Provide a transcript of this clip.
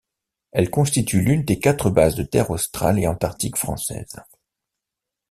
Elle constitue l'une des quatre bases des Terres australes et antarctiques françaises.